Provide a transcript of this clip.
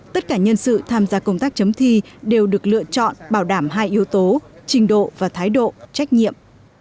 tất cả nhân sự tham gia công tác chấm thi đều được lựa chọn bảo đảm hai yếu tố trình độ và thái độ trách nhiệm